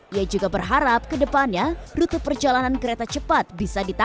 ia juga berharap kedepannya rute perjalanan kereta cepat bisa ditangani